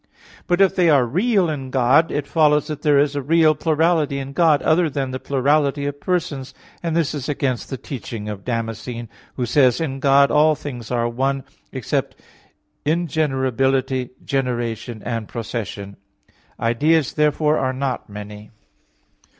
But if they are real in God, it follows that there is a real plurality in God other than the plurality of Persons: and this is against the teaching of Damascene (De Fide Orth. i, 10), who says, in God all things are one, except "ingenerability, generation, and procession." Ideas therefore are not many.